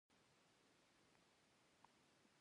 د احصایې اداره نفوس څنګه شمیري؟